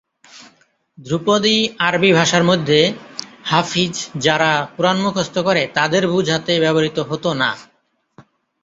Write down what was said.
ধ্রুপদী আরবি ভাষার মধ্যে, "হাফিজ" যারা কুরআন মুখস্থ করে তাদের বুঝাতে ব্যবহৃত হতো না।